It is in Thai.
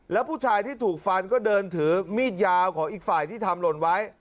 แล้วผู้ชายที่ถูกฟันก็เดินถือมีดยาวของอีกฝ่ายที่ทำหล่นไว้